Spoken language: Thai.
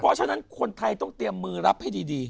เพราะฉะนั้นคนไทยต้องเตรียมมือรับให้ดี